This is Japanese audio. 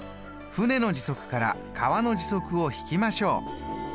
舟の時速から川の時速を引きましょう。